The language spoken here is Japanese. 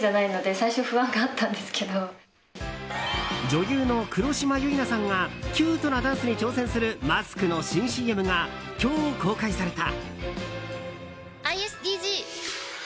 女優の黒島結菜さんがキュートなダンスに挑戦するマスクの新ＣＭが今日、公開された。